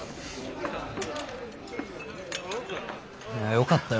よかったよ。